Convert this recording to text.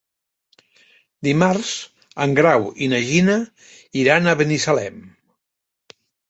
Dimarts en Grau i na Gina iran a Binissalem.